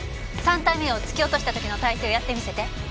３体目を突き落とした時の体勢をやって見せて。